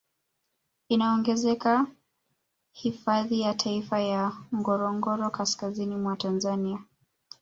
Inaongezeka hifadhi ya taifa ya Ngorongoro kaskazini mwa Tanzania